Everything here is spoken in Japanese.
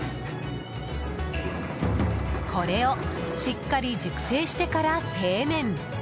これをしっかり熟成してから製麺。